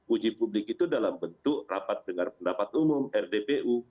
uji publik itu dalam bentuk rapat dengar pendapat umum rdpu